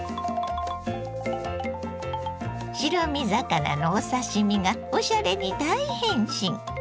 白身魚のお刺身がおしゃれに大変身。